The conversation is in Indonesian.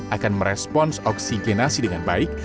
akan merespons oksigenasi dengan baik